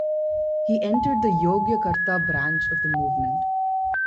He entered the Yogyakarta branch of the movement.